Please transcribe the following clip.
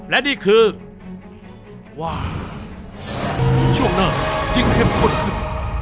และนี่คือว่าช่วงหน้ายิ่งเข้มข้นขึ้น